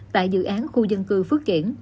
tại dự án khu dân cư phước kiển